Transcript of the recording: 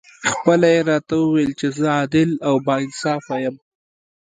خپله یې راته وویل چې زه عادل او با انصافه یم.